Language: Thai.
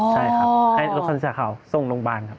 ใช่ครับให้รถคันสีขาวส่งโรงพยาบาลครับ